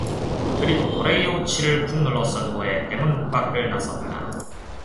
그리고 도리우치를 푹 눌러 쓴 후에 대문 밖을 나섰다.